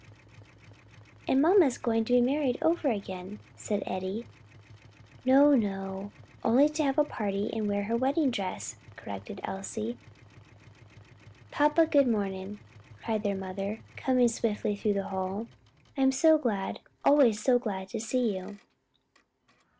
"And mamma's going to be married over again," said Eddie. "No, no; only to have a party and wear her wedding dress," corrected Elsie. "Papa, good morning," cried their mother, coming swiftly through, the hall, "I'm so glad, always so glad to see you."